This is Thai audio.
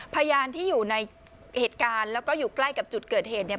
พยานที่อยู่ในเหตุการณ์แล้วก็อยู่ใกล้กับจุดเกิดเหตุเนี่ย